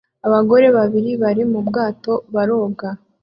abagore babiri bari mu bwato baroba